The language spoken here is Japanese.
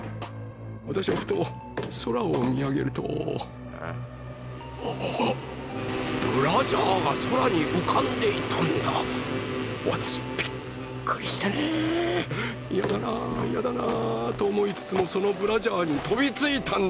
私はふと空を見上げるとブラジャーが空に浮かんでいたんだ私びっくりしてね嫌だな嫌だなと思いつつもそのブラジャーに飛びついたんだ